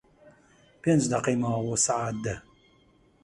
پێنج دەقەی ماوە بۆ سەعات دە.